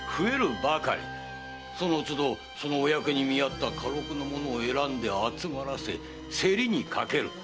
そのつどそのお役に見合った家禄の者を選んで集まらせ競りにかける。